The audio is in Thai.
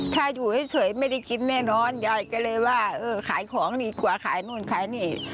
ถ้าอยู่เฉยไม่ได้กินแน่นอนยายก็เลยว่าเออขายของดีกว่าขายนู่นขายนี่